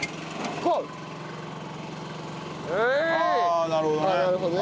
ああなるほどね。